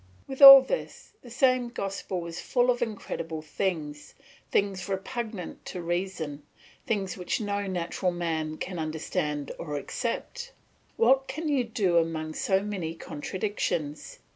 With all this the same gospel is full of incredible things, things repugnant to reason, things which no natural man can understand or accept. What can you do among so many contradictions?